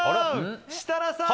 設楽さん！